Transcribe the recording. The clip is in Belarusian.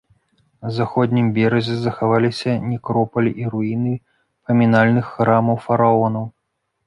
На заходнім беразе захаваліся некропалі і руіны памінальных храмаў фараонаў.